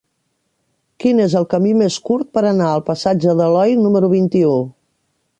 Quin és el camí més curt per anar al passatge d'Aloi número vint-i-u?